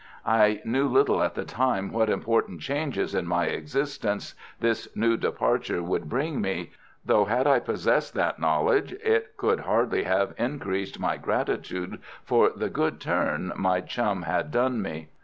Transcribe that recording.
I little knew at the time what important changes in my existence this new departure would bring me, though had I possessed that knowledge it could hardly have increased my gratitude for the "good turn" my chum had done me.